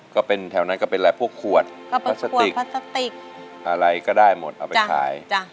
ก็เป็นแถวนั้นก็เป็นอะไรพวกขวดพลาสติกพลาสติกอะไรก็ได้หมดเอาไปขาย